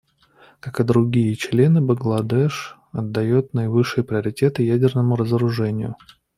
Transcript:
Как и другие члены, Бангладеш отдает наивысший приоритет ядерному разоружению.